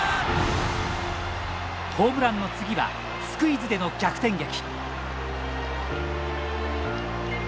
ホームランの次はスクイズでの逆転劇。